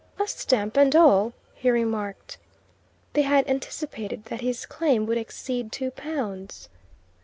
"A stamp and all!" he remarked. They had anticipated that his claim would exceed two pounds.